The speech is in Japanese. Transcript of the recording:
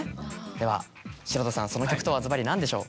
では城田さんその曲とはずばり何でしょう？